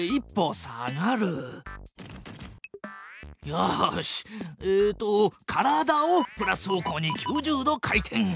よしえっと体をプラス方向に９０度回転！